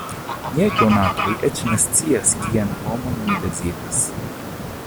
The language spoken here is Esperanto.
Miaj konatoj eĉ ne scias kian homon mi deziras.